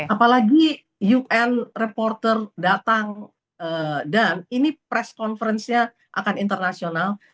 apalagi ukn reporter datang dan ini press conference nya akan internasional